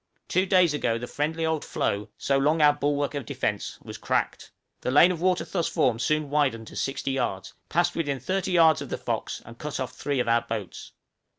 Two days ago the friendly old floe, so long our bulwark of defence, was cracked; the lane of water thus formed soon widened to 60 yards, passed within 30 yards of the 'Fox,' and cut off three of our boats.